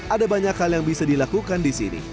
ada banyak hal yang bisa dilakukan di sini